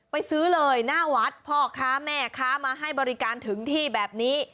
ซื้อเลยหน้าวัดพ่อค้าแม่ค้ามาให้บริการถึงที่แบบนี้